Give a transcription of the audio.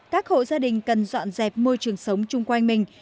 các hộ gia đình cần dọn dẹp môi trường sống chung quanh mình